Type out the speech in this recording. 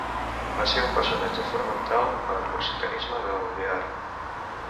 Va ser un personatge fonamental per l'occitanisme del Bearn.